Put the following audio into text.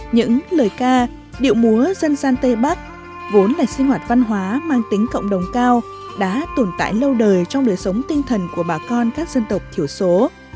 những lời ca điệu múa dân gian tây bắc vốn là sinh hoạt văn hóa mang tính cộng đồng cao đã tồn tại lâu đời trong đời sống tinh thần của bà con các dân tộc thiểu số